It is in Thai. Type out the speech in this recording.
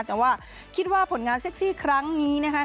แต่ว่าคิดว่าผลงานเซ็กซี่ครั้งนี้นะคะ